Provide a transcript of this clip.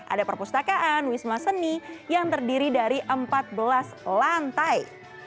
ada perpustakaan wisma seni yang terdiri dari empat belas lantai